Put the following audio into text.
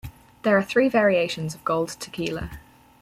There are three variations of gold tequila.